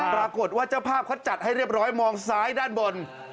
ปรากฏว่าเจ้าภาพเขาจัดให้เรียบร้อยมองซ้ายด้านบน